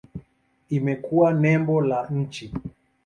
Imekuwa nembo la nchi.